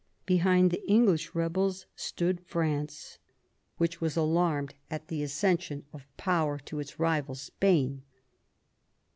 Behind the English rebels stood France, which was alarmed at the accession of power to its rival, Spain.